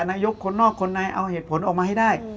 นายกคนนอกคนในเอาเหตุผลออกมาให้ได้